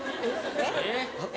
・えっ？